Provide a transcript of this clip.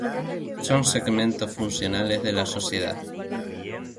Son segmentos funcionales de la sociedad.